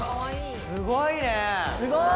すごいね！